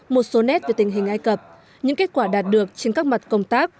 một số nét về tình hình ai cập những kết quả đạt được trên các mặt công tác